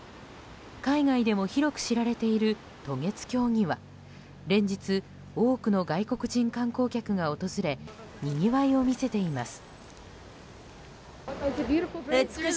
海外でも広く知られている渡月橋には連日多くの外国人観光客が訪れにぎわいを見せています。